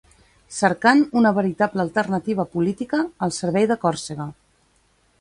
Cercant una veritable alternativa política al servei de Còrsega.